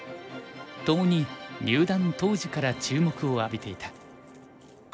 共に入段当時から注目を浴びていた。